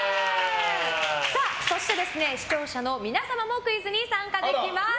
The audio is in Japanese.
そして視聴者の皆様もクイズに参加できます。